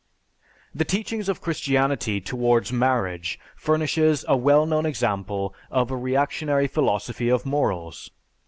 The teachings of Christianity towards marriage furnishes a well known example of a reactionary philosophy of morals.